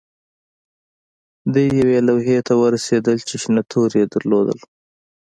دوی یوې لوحې ته ورسیدل چې شنه توري یې درلودل